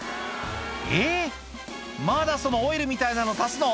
えぇまだそのオイルみたいなの足すの？